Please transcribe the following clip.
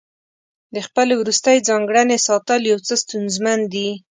د خپلې وروستۍ ځانګړنې ساتل یو څه ستونزمن دي.